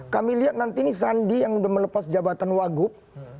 kami lihat nanti ini sandi yang sudah melepas jabatan wagub